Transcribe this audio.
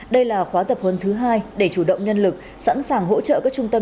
đây là khóa tập huấn thứ hai để chủ động nhân lực sẵn sàng hỗ trợ các trung tâm